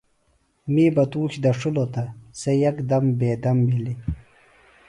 می بیۡ تُوش دڇِھلوۡ تہ سےۡ یکدم بیدم بِھلیۡ۔